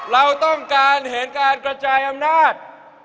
เราต้องการเห็นการกระจายอำนาจ